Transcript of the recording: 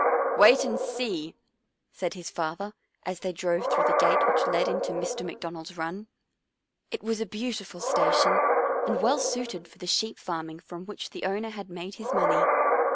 " Wait and see," said his father as they drove through the gate which led into Mr. McDon ald's run. It was a beautiful station and well suited for the sheep farming from which the owner had made his money.